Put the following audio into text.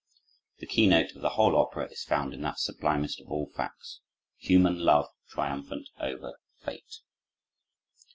The keynote of the whole opera is found in that sublimest of all facts—human love triumphant over fate.